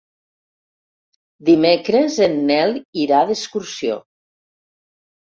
Dimecres en Nel irà d'excursió.